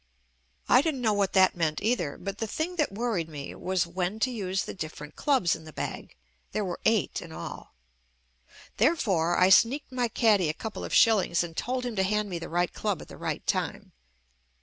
I didn't know what that meant either, but the thing that worried me was when to use the different clubs in the bag (there were eight in all). There fore, I sneaked my caddy a couple of shillings and told him to hand me the right club at the right time.